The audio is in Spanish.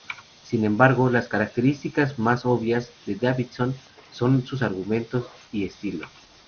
Sin embargo las características más obvias de Davidson son sus argumentos y estilo.